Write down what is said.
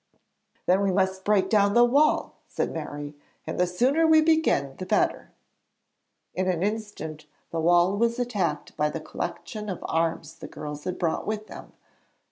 'Then we must break down the wall,' said Mary, 'and the sooner we begin the better.' In an instant the wall was attacked by the collection of arms the girls had brought with them.